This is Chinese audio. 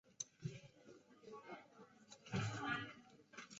长春微蛛为皿蛛科微蛛属的动物。